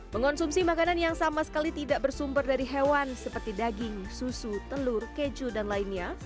mengonsumsi makanan yang sama sekali tidak bersumber dari hewan seperti daging susu telur keju dan lainnya